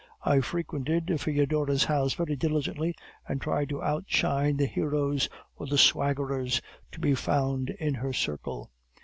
I frequented Foedora's house very diligently, and tried to outshine the heroes or the swaggerers to be found in her circle.